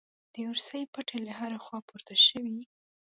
د ارسي پټې له هرې خوا پورته شوې.